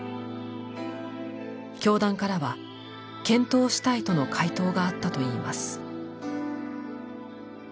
教団からは「検討したい」との回答があったといいます。